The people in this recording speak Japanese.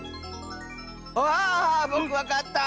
あぼくわかった！